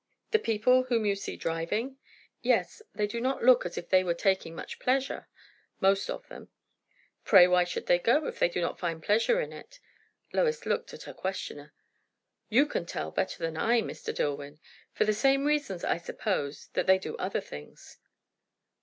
"The people whom you see driving?" "Yes. They do not look as if they were taking much pleasure. Most of them." "Pray why should they go, if they do not find pleasure in it?" Lois looked at her questioner. "You can tell, better than I, Mr. Dillwyn. For the same reasons, I suppose, that they do other things."